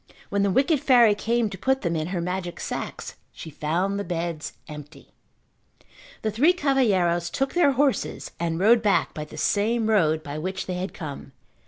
When the wicked fairy came to put them in her magic sacks she found the beds empty. The three cavalheiros took their horses and rode back by the same road by which they had come.